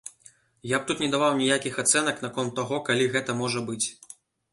Я б тут не даваў ніякіх ацэнак наконт таго, калі гэта можа быць.